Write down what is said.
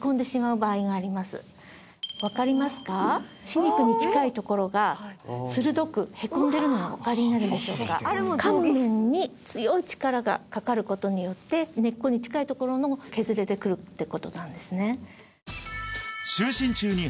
歯肉に近いところが鋭くへこんでるのがお分かりになるでしょうか噛む面に強い力がかかることによって根っこに近いところも削れてくるってことなんですね